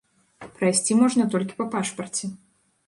Прайсці можна толькі па пашпарце.